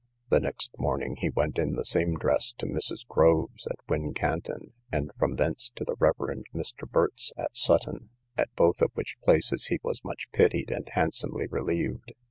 The next morning he went in the same dress to Mrs. Groves, at Wincanton, and from thence to the Rev. Mr. Birt's, at Sutton, at both of which places he was much pitied, and handsomely relieved.